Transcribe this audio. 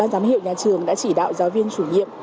giám hiệu nhà trường đã chỉ đạo giáo viên chủ nhiệm